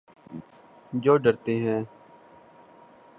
جو ڈرتے ہیں